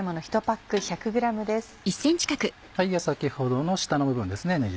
先ほどの下の部分ですね